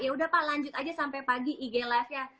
ya udah pak lanjut aja sampai pagi ig live nya